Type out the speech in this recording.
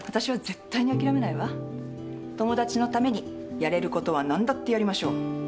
友達のためにやれることは何だってやりましょう。